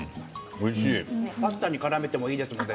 パスタにからめてもいいですね。